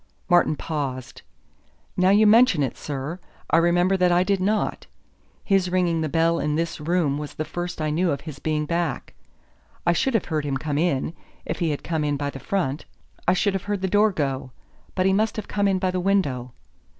Martin paused. "Now you mention it, sir, I remember that I did not. His ringing the bell in this room was the first I knew of his being back. I should have heard him come in, if he had come in by the front. I should have heard the door go. But he must have come in by the window."